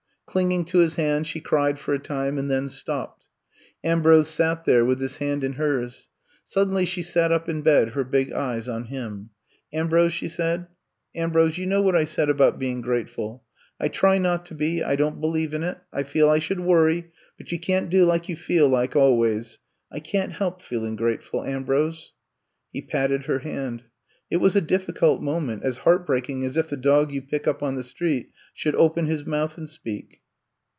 Clinging to his hand, she cried for a time, and then stopped. Ambrose sat there with his hand in hers. Suddenly she sat up in bed, her big eyes on him. Ambrose," she said, Ambrose — ^you know what I said about being grateful. I try not to be. I don 't believe in it. I feel I should worry, but you can't do like you feel like always. I can 't help feeling grate ful, Ambrose." He patted her hand. It was a difScult moment, as heart breaking as if the dog you pick up on the street should open his mouth and speak.